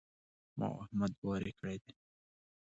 ما او احمد واری کړی دی.